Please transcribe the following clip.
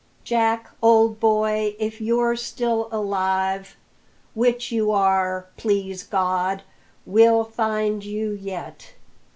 Jack, old boy, if you're still alive which you are, please God! we'll find you yet!"